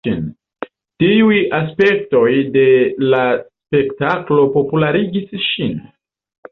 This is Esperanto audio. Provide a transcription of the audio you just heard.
Tiuj aspektoj de la spektaklo popularigis ŝin.